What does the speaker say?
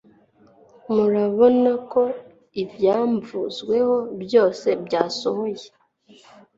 murabona ko ibyamvuzweho byose byasohoye.